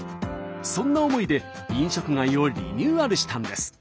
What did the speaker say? そんな思いで飲食街をリニューアルしたんです。